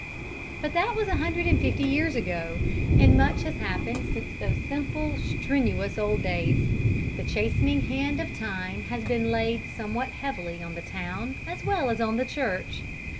But that was a hundred and fifty years ago, and much has happened since those simple, strenuous old days. The chastening hand of time has been laid somewhat heavily on the town as well as on the church.